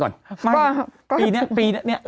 กรมป้องกันแล้วก็บรรเทาสาธารณภัยนะคะ